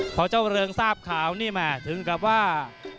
ภาพขาวนี่แม่ถึงกับว่า